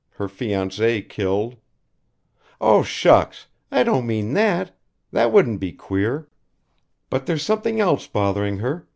Her fiancé killed " "Oh! shucks! I don't mean that. That wouldn't be queer. But there's something else bothering her.